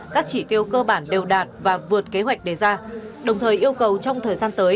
các chỉ tiêu cơ bản đều đạt và vượt kế hoạch đề ra đồng thời yêu cầu trong thời gian tới